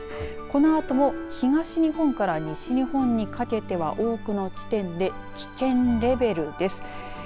このあとも東日本から西日本にかけては多くの地点で危険レベルです。